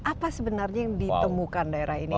apa sebenarnya yang ditemukan daerah ini